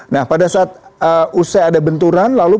nah pada saat usai ada benturan lalu